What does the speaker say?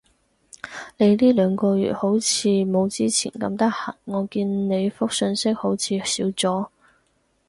你呢兩個月好似冇之前咁得閒？我見你覆訊息好似少咗